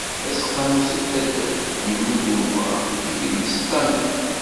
Taseqqamut n taddart: "Yemmut umɣar, yegla s ṭṭamen."